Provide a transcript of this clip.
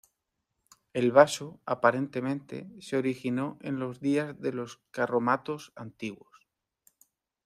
El vaso, aparentemente, se originó en los días de los carromatos antiguos.